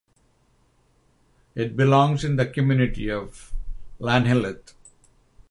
It belongs in the community of Llanhilleth.